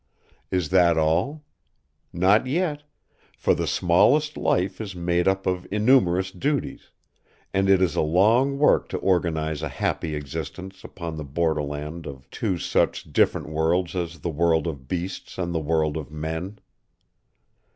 Is that all? Not yet; for the smallest life is made up of innumerous duties, and it is a long work to organize a happy existence upon the borderland of two such different worlds as the world of beasts and the world of men.